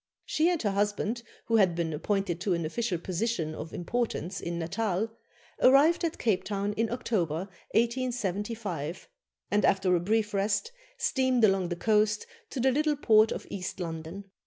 She and her husband, who had been appointed to an official position of importance in Natal, arrived at Cape Town in October, 1875, and, after a brief rest, steamed along the coast to the little port of East London.